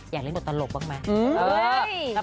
อยากเล่นบทตลกบ้างไหม